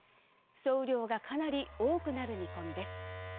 総雨量がかなり多くなる見込みです。